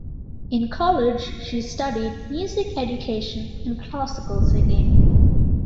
In college, she studied music education and classical singing.